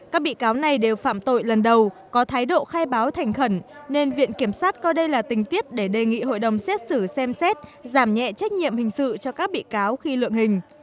các bị cáo này đều phạm tội lần đầu có thái độ khai báo thành khẩn nên viện kiểm sát coi đây là tình tiết để đề nghị hội đồng xét xử xem xét giảm nhẹ trách nhiệm hình sự cho các bị cáo khi lượng hình